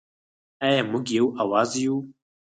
آیا موږ یو اواز یو؟